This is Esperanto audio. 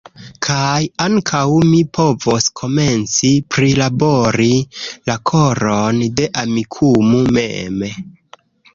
Kaj ankaŭ mi povos komenci prilabori la koron de Amikumu mem.